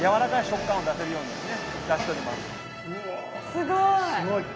すごい。